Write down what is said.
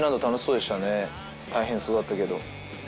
大変そうだったけど。